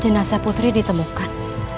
jinasa putri di temukan